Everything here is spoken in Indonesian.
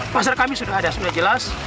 pasar kami sudah ada sebenarnya jelas